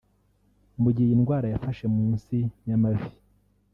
Mu gihe iyi ndwara yafashe munsi y’amavi